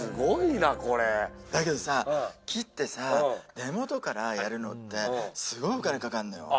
だけどさ、木ってさ、根元からやるのって、すごいお金かかるのよ。